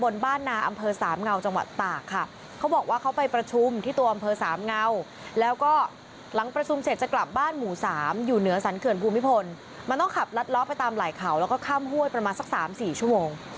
แล้วก็ข้ามห้วยประมาณสัก๓๔ชั่วโมง